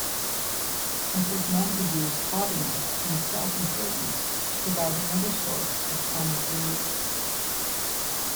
Mrs. Montague's haughtiness and self-importance provide another source of comic relief.